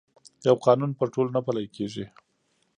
یو قانون پر ټولو نه پلي کېږي.